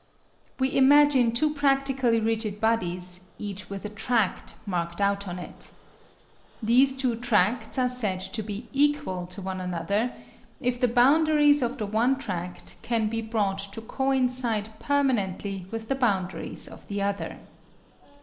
We imagine two practically rigid bodies, each with a tract marked out on it. These two tracts are said to be "equal to one another" if the boundaries of the one tract can be brought to coincide permanently with the boundaries of the other.